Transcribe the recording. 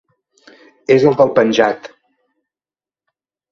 És el del penjat.